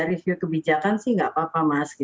review kebijakan sih nggak apa apa mas